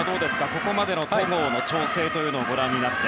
ここまでの戸郷の調整をご覧になって。